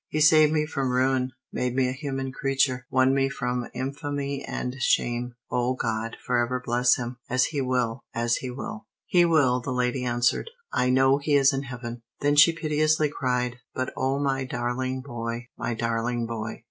"He saved me from ruin, made me a human creature, won me from infamy and shame. O God, forever bless him! As He will, He will!" "He will!" the lady answered. "I know he is in heaven!" Then she piteously cried, "But O my darling boy, my darling boy!"